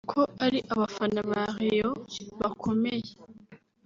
ko ari abafana ba Rayon bakomeye